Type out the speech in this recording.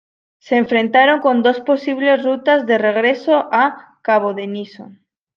Se enfrentaron con dos posibles rutas de regreso a Cabo Denison.